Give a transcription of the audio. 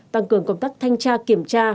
tăng cường công tác thanh tra kiểm tra